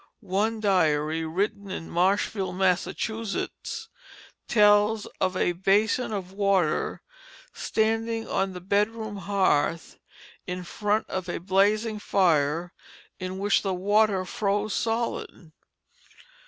One diary, written in Marshfield, Massachusetts, tells of a basin of water standing on the bedroom hearth, in front of a blazing fire, in which the water froze solid.